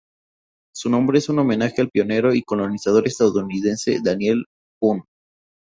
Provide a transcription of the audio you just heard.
Su nombre es un homenaje al pionero y colonizador estadounidense Daniel Boone.